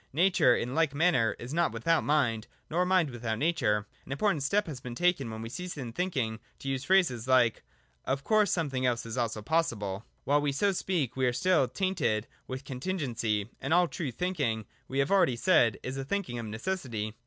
Nature in like manner is not without mind, nor mind without nature. An important step has been taken, when we cease in thinking to use phrases like : 119,120.] LAW OF EXCLUDED MIDDLE. 223 Of course something else is also possible. While we so speak, we are still tainted with contingency : and all true thinking, we have already said, is a thinking of necessity.